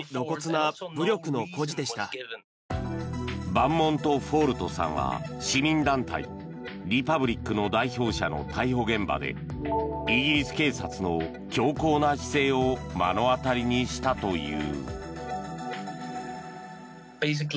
バンモントフォールトさんは市民団体リパブリックの代表者の逮捕現場でイギリス警察の強硬な姿勢を目の当たりにしたという。